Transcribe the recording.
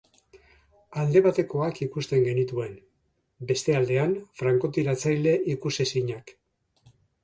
Alde batekoak ikusten genituen, beste aldean frankotiratzaile ikusezinak.